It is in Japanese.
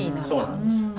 そうなんです。